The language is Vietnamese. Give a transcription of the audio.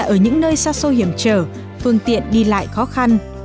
ở những nơi xa xôi hiểm trở phương tiện đi lại khó khăn